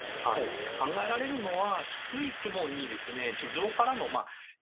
考えられるのは。